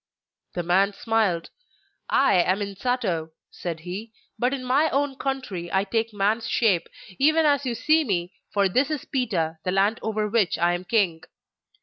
The man smiled. 'I am Insato,' said he, 'but in my own country I take man's shape even as you see me for this is Pita, the land over which I am king.